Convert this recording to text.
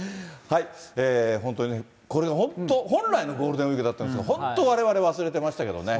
本当に、これ本当、本来のゴールデンウィークだったんですが、本当、われわれ忘れてましたけどね。